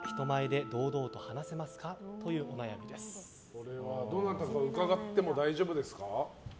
これはどなたか伺っても大丈夫ですか？